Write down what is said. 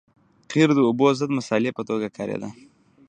قیر د اوبو ضد مصالحې په توګه کارېده